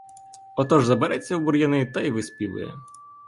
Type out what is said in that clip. Отож забереться в бур'яни та й виспівує.